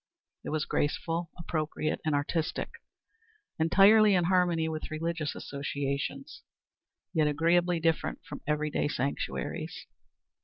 It was graceful, appropriate, and artistic; entirely in harmony with religious associations, yet agreeably different from every day sanctuaries.